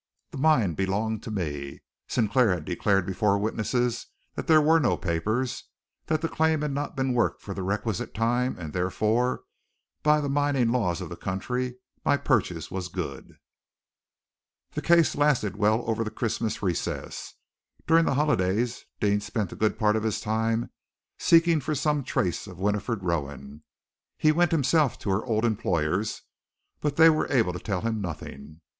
"The mine belonged to me. Sinclair had declared before witnesses that there were no papers, that the claim had not been worked for the requisite time; and, therefore, by the mining laws of the country my purchase was good." The case lasted well over the Christmas recess. During the holidays, Deane spent a good part of his time seeking for some trace of Winifred Rowan. He went himself to her old employers, but they were able to tell him nothing.